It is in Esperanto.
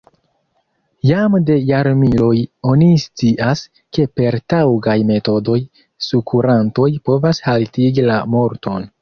Jam de jarmiloj oni scias, ke per taŭgaj metodoj sukurantoj povas haltigi la morton.